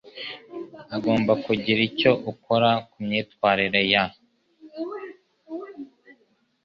Ugomba kugira icyo ukora ku myitwarire ya